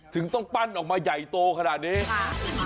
ถึงต้องปั้นออกมาใหญ่โตขนาดนี้ค่ะ